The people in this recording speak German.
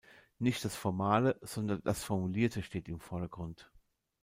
Nicht das Formale, sondern das Formulierte steht im Vordergrund.